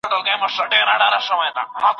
خدایه برخه در څه غواړمه درنه پر بل جهان زه